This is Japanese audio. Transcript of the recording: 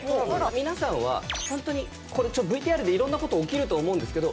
皆さんはほんとにこれＶＴＲでいろんな事起きると思うんですけど。